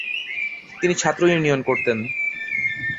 তিনি ছাত্র ইউনিয়ন করতেন।